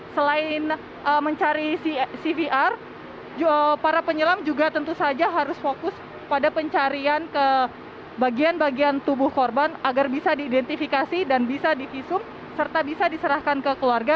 selain mencari cvr para penyelam juga tentu saja harus fokus pada pencarian ke bagian bagian tubuh korban agar bisa diidentifikasi dan bisa divisum serta bisa diserahkan ke keluarga